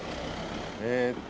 えっと